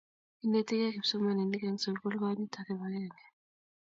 Inetigei kipsimaninik eng' sukul konyit ak kibagenge